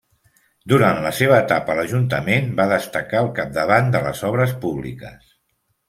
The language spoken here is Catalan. Durant la seva etapa a l'Ajuntament va destacar al capdavant de les obres públiques.